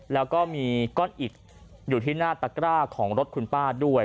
แล้วก็มีก้อนอิดอยู่ที่หน้าตะกร้าของรถคุณป้าด้วย